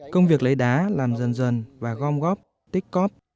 công việc lấy đá làm dần dần và gom góp tích cóp